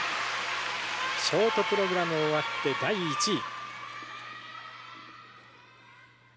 ショートプログラムを終わって第１位。